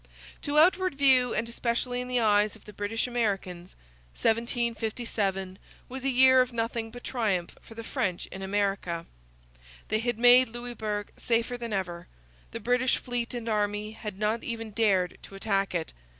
To outward view, and especially in the eyes of the British Americans, 1757 was a year of nothing but triumph for the French in America. They had made Louisbourg safer than ever; the British fleet and army had not even dared to attack it.